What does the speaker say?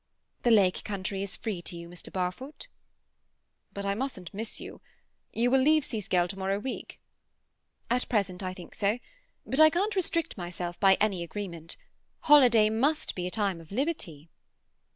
"The lake country is free to you, Mr. Barfoot." "But I mustn't miss you. You will leave Seascale to morrow week?" "At present I think so. But I can't restrict myself by any agreement. Holiday must be a time of liberty."